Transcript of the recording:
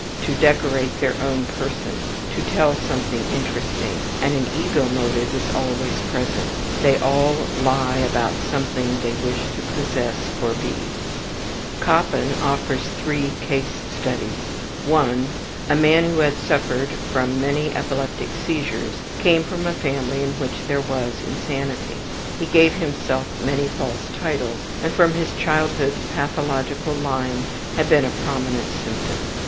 to decorate their own person, to tell something interesting, and an ego motive is always present. They all lie about something they wish to possess or be. ``Ueber die pathologische Lugner,'' Charite Annalen, 8, 1898. Pp. 674 719. Koppen offers three case studies: I. A man who had suffered from many epileptic seizures came from a family in which there was insanity. He gave himself many false titles, and from his childhood pathological lying had been a prominent symptom.